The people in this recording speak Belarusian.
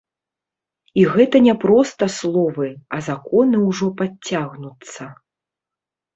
І гэта не проста словы, а законы ўжо падцягнуцца.